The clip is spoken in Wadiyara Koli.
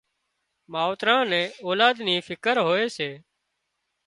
ماوتران نين اولاد نِي فڪر هوئي سي